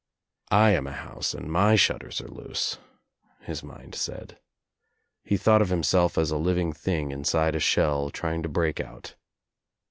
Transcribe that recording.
"I am a house and my shutters are loose," his mind said. He thought of himself as a living thing inside a shell, trying to break out.